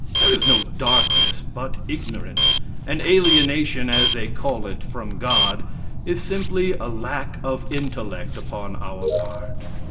There is no darkness but ignorance; and alienation, as they call it, from God, is simply a lack of intellect upon our part.